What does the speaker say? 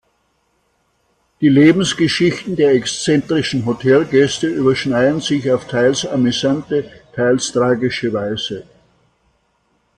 Die Lebensgeschichten der exzentrischen Hotelgäste überschneiden sich auf teils amüsante, teils tragische Weise.